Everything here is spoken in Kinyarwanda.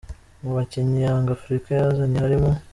Mu bakinnyi Yanga Africa yazanye harimo: .